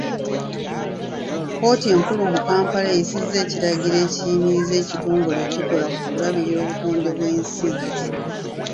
Kkooti enkulu mu Kampala eyisizza ekiragiro ekiyimirizza ekitongole ekikola ku kulabirira obutonde bw'ensi.